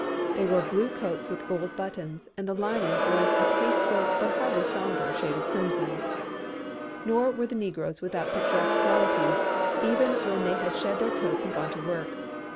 They were blue coats with gold buttons and the lining was a tasteful but hardly somber shade of crimson. Nor were the negroes without picturesque qualities even when they had shed their coats and gone to work.